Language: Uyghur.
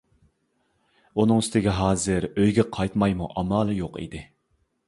ئۇنىڭ ئۈستىگە ھازىر ئۆيگە قايتمايمۇ ئامالى يوق ئىدى.